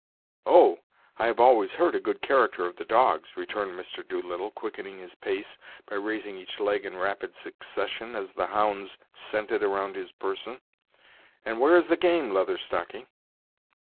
"Oh! I have always heard a good character of the dogs," returned Mr. Doolittle, quickening his pace by raising each leg in rapid succession, as the hounds scented around his person. "And where is the game, Leather Stocking?"